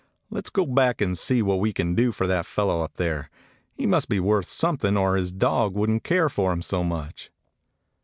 Let 's go back and see what we can do for that fellow up there. He must be worth something, or his dog would n't care for him so much."